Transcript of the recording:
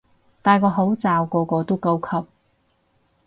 戴住口罩個個都高級